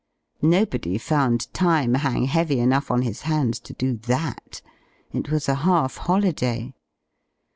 Nobody found time hang heavy enough on his hands to do that. It was a half holiday.